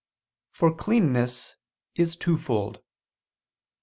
For cleanness is twofold.